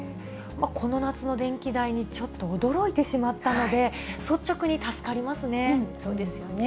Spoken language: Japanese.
この夏の電気代にちょっと驚いてしまったので、そうですよね。